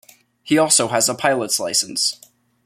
He also has a pilot's licence.